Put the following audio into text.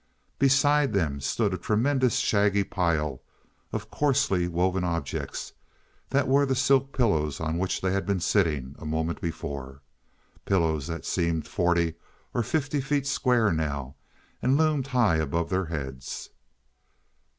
Beside them stood a tremendous shaggy pile of coarsely woven objects that were the silk pillows on which they had been sitting a moment before pillows that seemed forty or fifty feet square now and loomed high above their heads.